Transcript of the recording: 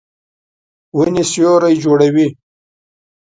ونې سیوری جوړوي.